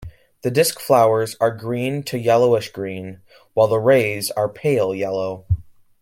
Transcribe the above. The disc flowers are green to yellowish green, while the rays are pale yellow.